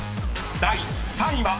［第３位は］